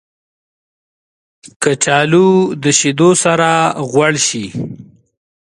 کچالو د شیدو سره غوړ شي